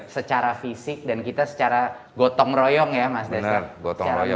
secara fisik dan kita secara gotong royong ya mas destar